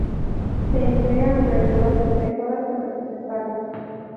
Se emplea alrededor de tres horas en representarla.